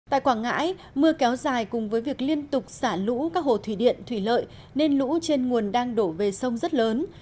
tại quảng ngãi mưa kéo dài cùng với việc liên tục xả lũ các hồ thủy điện thủy lợi nên lũ trên nguồn đang đổ về sông rất lớn